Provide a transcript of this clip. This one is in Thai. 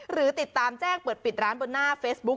หรือติดตามแจ้งเปิดปิดร้านบนหน้าเฟซบุ๊ค